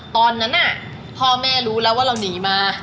ตอนนั้นพ่อแม่รู้แล้วว่าเราหนีมา